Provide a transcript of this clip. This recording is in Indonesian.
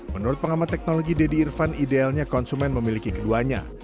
menurut pengamat teknologi deddy irfan idealnya konsumen memiliki keduanya